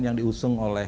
yang diusung oleh